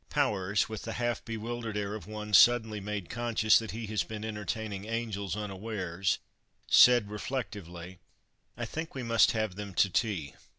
Powers, with the half bewildered air of one suddenly made conscious that he had been entertaining angels unawares, said, reflectively, "I think we must have them to tea."